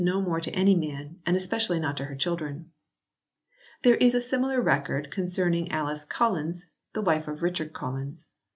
no more to any man, and especially not to her children." There is a similar record concerning Alice Collins the wife of Richard Collins.